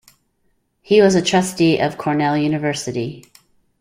He was a trustee of Cornell University.